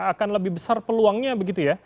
akan lebih besar peluangnya begitu ya